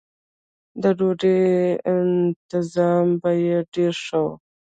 د ډوډۍ انتظام به یې ډېر ښه و.